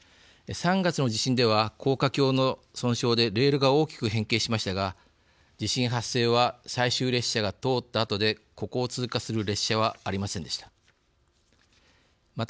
３月の地震では、高架橋の損傷でレールが大きく変形しましたが地震発生は最終列車が通ったあとでここを通過する列車はありませんでした。